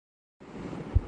تو اس کا حصہ ہوں۔